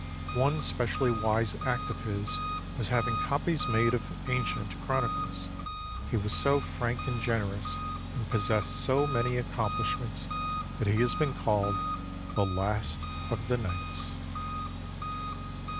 One specially wise act of his was having copies made of ancient chronicles. He was so frank and generous and possessed so many accomplish ments that he has been called "The Last of the Knights."